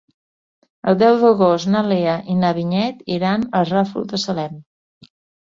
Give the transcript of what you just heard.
El deu d'agost na Lea i na Vinyet iran al Ràfol de Salem.